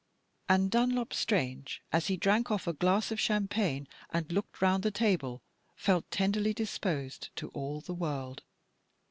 But Dunlop Strange, as he drank off a glass of champagne and looked round the table, felt tenderly disposed to all the world.